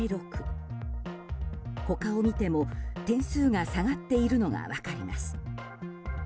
他を見ても、点数が下がっているのが分かります。